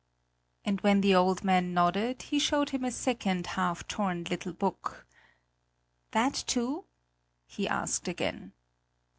And when the old man nodded, he showed him a second half torn little book. "That too?" he asked again.